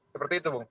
seperti itu bung